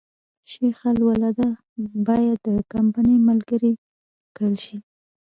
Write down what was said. شجاع الدوله باید د کمپنۍ ملګری کړل شي.